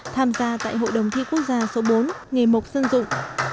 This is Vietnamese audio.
tham gia tại hội đồng thi quốc gia số bốn nghề mộc dân dụng